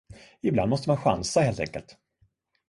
Ibland måste man chansa, helt enkelt.